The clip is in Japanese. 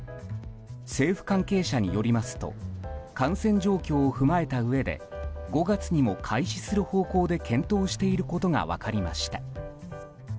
政府関係者によりますと感染状況を踏まえたうえで５月にも開始する方向で検討していることが分かりました。